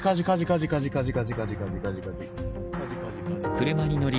車に乗り